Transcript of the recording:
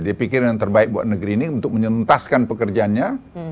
dia pikir yang terbaik buat negeri ini untuk menuntaskan pekerjaannya